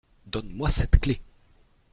Donne-moi cette clé !